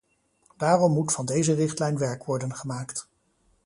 Daarom moet van deze richtlijn werk worden gemaakt.